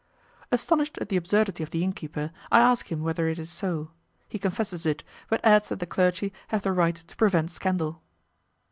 Astonished at the absurdity of the inn keeper, I ask him whether it is so; he confesses it, but adds that the clergy have the right to prevent scandal.